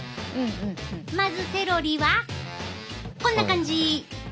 まずセロリはこんな感じ。